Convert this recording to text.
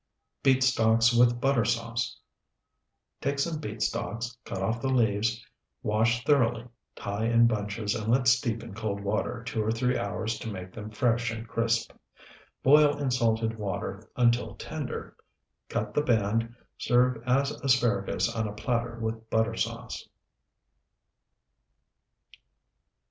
BEET STALKS WITH BUTTER SAUCE Take some beet stalks, cut off the leaves, wash thoroughly, tie in bunches, and let steep in cold water two or three hours to make them fresh and crisp. Boil in salted water until tender; cut the band; serve as asparagus on a platter with butter sauce.